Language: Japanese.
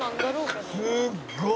「すっごい！」